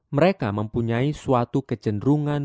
mereka mempunyai suatu kecenderungan